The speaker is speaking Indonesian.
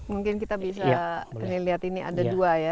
mungkin kita bisa lihat ini ada dua ya